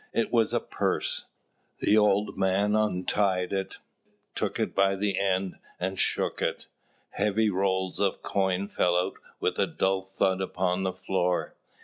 It was a purse. The old man untied it, took it by the end, and shook it. Heavy rolls of coin fell out with a dull thud upon the floor.